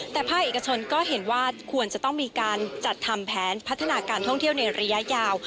แต่ภาคเอกชนก็เห็นว่าควรจะต้องมีการจัดทำแผนพัฒนาการท่องเที่ยวในระยะยาว